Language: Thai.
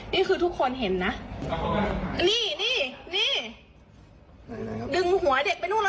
นี่คือทุกคนเห็นนะ